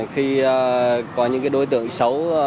khi có những đối tượng xấu